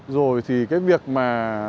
rồi thì cái việc mà